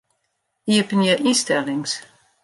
Iepenje ynstellings.